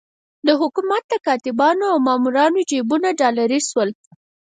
د حکومت د کاتبانو او مامورانو جېبونه ډالري شول.